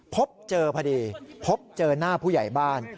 พบเจอพอดีพบเจอหน้าผู้ใหญ่บ้าน